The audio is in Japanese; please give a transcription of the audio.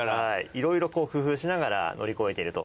いろいろ工夫しながら乗り越えてると。